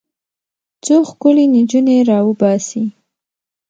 څو ښکلې نجونې راوباسي.